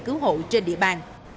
cứu hộ trên địa bàn